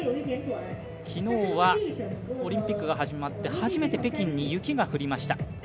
昨日はオリンピックが始まって初めて北京に雪が降りました。